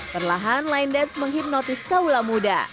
perlahan line dance menghipnotis kaula muda